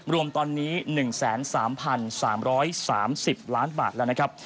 รวมตอนนี้๑๓๓๓๐ล้านบาทแล้วนะครับ